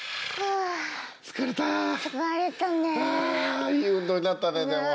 あいい運動になったねでも。